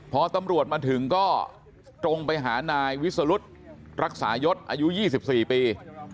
พอตำรวจมาถึงก็ตรงไปหานายวิสรุธรักษายศอายุ๒๔ปี